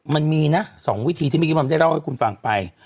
มันมีนะ๒วิธีที่เมื่อกี้มันได้เล่าให้คุณฟังไป